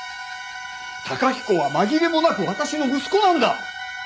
崇彦は紛れもなく私の息子なんだ！